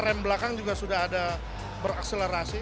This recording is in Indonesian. rem belakang juga sudah ada berakselerasi